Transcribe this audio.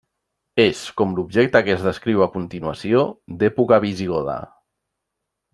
És, com l'objecte que es descriu a continuació, d'època visigoda.